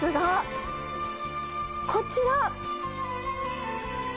こちら！